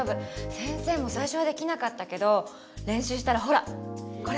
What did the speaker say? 先生もさいしょはできなかったけど練習したらほらこれも。